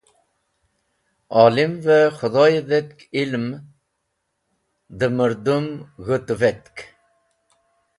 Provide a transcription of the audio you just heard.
Olimonvẽ k̃hedhoyẽ dhetk ilmẽ dẽ merdum g̃hũtuvetk.